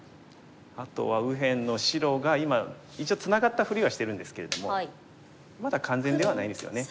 あとは右辺の白が今一応ツナがったふりはしてるんですけれどもまだ完全ではないですよね。